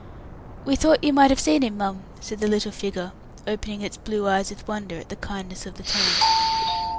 "We thought you might have seen him, mum," said the little figure, opening its blue eyes with wonder at the kindness of the tone.